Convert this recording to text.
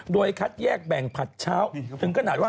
โดยคัดแยกแบ่งผัดเช้าถึงขนาดว่า